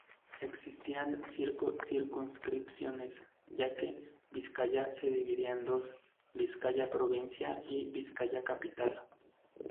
Existían cinco circunscripciones, ya que Vizcaya se dividía en dos, Vizcaya-provincia y Vizcaya-capital.